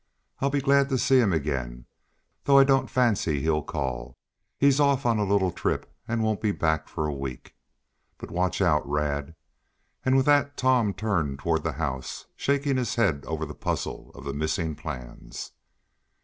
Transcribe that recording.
I'd be glad to see him again, though I don't fancy he'll call. He's off on a little trip, and won't be back for a week. But watch out, Rad." And with that Tom turned toward the house, shaking his head over the puzzle of the missing plans.